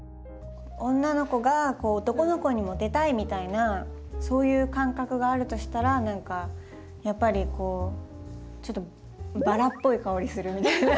女の子が男の子にモテたいみたいなそういう感覚があるとしたら何かやっぱりこうちょっとバラっぽい香りするみたいな。